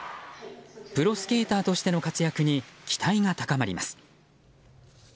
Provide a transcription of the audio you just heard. プロスケーターとしての活躍に期待が高まります。